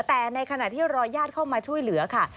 แต่ในขณะที่รอญาติเข้ามาช่วยเหลือค่ะ